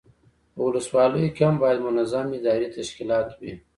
په ولسوالیو کې هم باید منظم اداري تشکیلات وي.